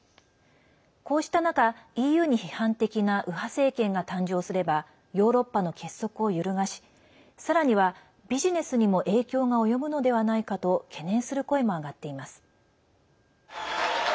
こうした中、ＥＵに批判的な右派政権が誕生すればヨーロッパの結束を揺るがしさらにはビジネスにも影響が及ぶのではないかと懸念する声も上がっています。